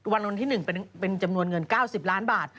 วันที่๑เป็นจำนวนเงิน๙๐ล้านบาท